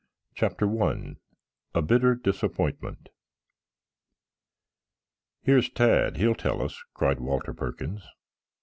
CHAPTER I A BITTER DISAPPOINTMENT "Here's Tad. He'll tell us," cried Walter Perkins.